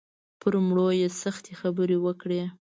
پر مړو یې سختې خبرې وکړې.